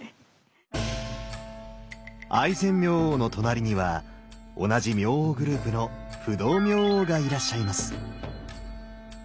愛染明王の隣には同じ明王グループの不動明王がいらっしゃいます。